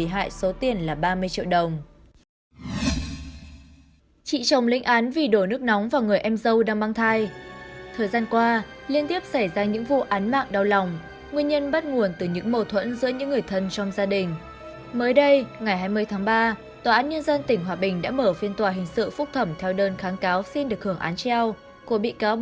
hội đồng xét xử tòa án nhân dân tỉnh đã chấp nhận kháng cáo xin được hưởng án treo của bị cáo